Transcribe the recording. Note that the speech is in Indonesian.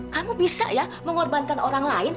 kamu bisa ya mengorbankan orang lain